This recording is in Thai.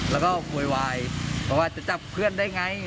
แล้วโหยวายจะจับเพื่อนได้ไง